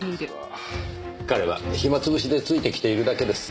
彼は暇つぶしでついてきているだけです。